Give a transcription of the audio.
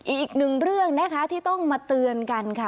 อีกหนึ่งเรื่องนะคะที่ต้องมาเตือนกันค่ะ